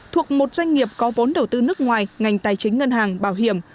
thuộc một doanh nghiệp có vốn đầu tư nước ngoài ngành tài chính ngân hàng bảo hiểm